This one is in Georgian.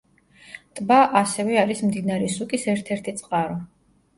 ტბა, ასევე, არის მდინარე სუკის ერთ-ერთი წყარო.